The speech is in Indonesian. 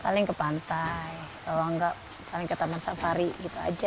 paling ke pantai kalau nggak saling ke taman safari gitu aja